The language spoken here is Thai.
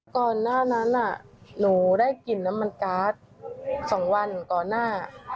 ก่อนหน้านั้นหนูได้กลิ่นน้ำมันการ์ด๒วันก่อนหน้า